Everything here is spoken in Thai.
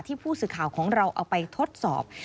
ผู้สื่อข่าวของเราเอาไปทดสอบ